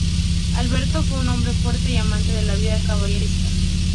Alberto fue un hombre fuerte y amante de la vida caballeresca.